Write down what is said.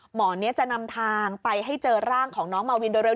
หมอนนี้จะนำทางไปให้เจอร่างของน้องมาวินโดยเร็